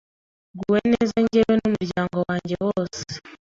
nguwe neza njyewe n’umuryango wanjye wose,